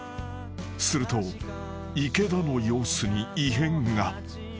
［すると池田の様子に異変が］